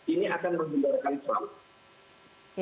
ini akan menghindarkan selama